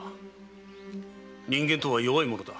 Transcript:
人間とは弱いものだ。